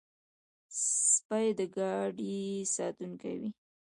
سپي د ګاډي ساتونکي وي.